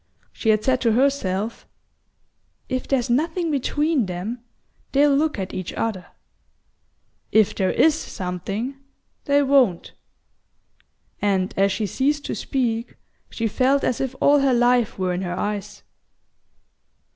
She had said to herself: "If there's nothing between them, they'll look at each other; if there IS something, they won't;" and as she ceased to speak she felt as if all her life were in her eyes.